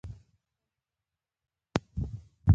قرآن کريم څو سورتونه لري مننه